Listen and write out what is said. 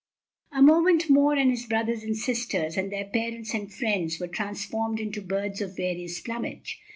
A moment more and his brothers and sisters, and their parents and friends, were transformed into birds of various plumage.